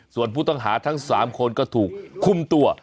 ส่วนผู้ต้องหาทั้ง๓คนก็ถูกคุมตัว